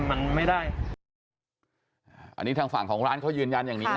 อันนี้ทางฝั่งของร้านเขายืนยันอย่างนี้นะ